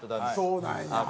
そうなんや。